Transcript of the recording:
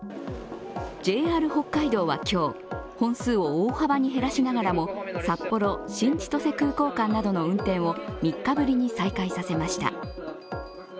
ＪＲ北海道は今日、本数を大幅に減らしながらも札幌−新千歳空港などの運転を３日ぶりに再開させました。